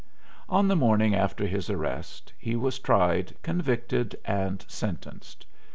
On the morning after his arrest he was tried, convicted, and sentenced.